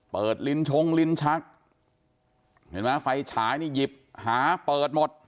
ลิ้นชงลิ้นชักเห็นไหมไฟฉายนี่หยิบหาเปิดหมด